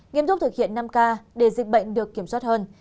nghiêm túc thực hiện năm k để dịch bệnh được kiểm soát hơn